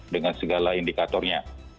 dengan segala indikatornya